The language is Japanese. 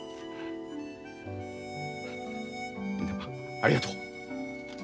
ありがとう。